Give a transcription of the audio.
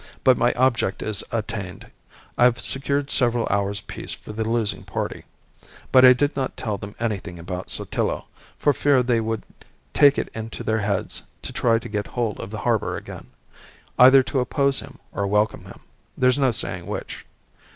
But my object is attained. I've secured several hours' peace for the losing party. But I did not tell them anything about Sotillo, for fear they would take it into their heads to try to get hold of the harbour again, either to oppose him or welcome him there's no saying which.